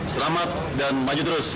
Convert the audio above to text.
selamat dan maju terus